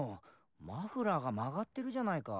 マフラーが曲がってるじゃないか。